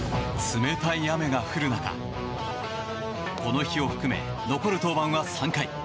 冷たい雨が降る中この日を含め残る登板は３回。